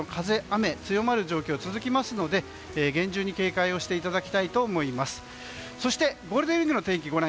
雨強まる状況が続きますので厳重に警戒していただきたいと思います。